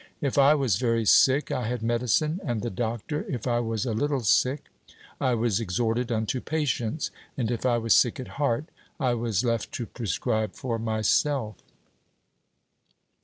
If I was very sick, I had medicine and the doctor; if I was a little sick, I was exhorted unto patience; and if I was sick at heart, I was left to prescribe for myself.